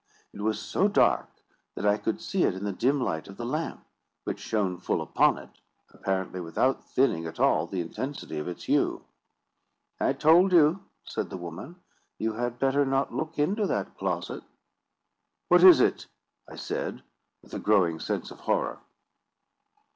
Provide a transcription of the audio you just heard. It was so dark, that I could see it in the dim light of the lamp, which shone full upon it, apparently without thinning at all the intensity of its hue. "I told you," said the woman, "you had better not look into that closet." "What is it?" I said, with a growing sense of horror.